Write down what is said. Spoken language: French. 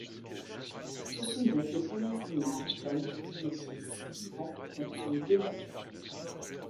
Ce sont donc les premières images d'un Architeuthis vivant dans son milieu naturel.